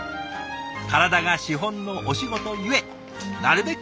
体が資本のお仕事ゆえなるべく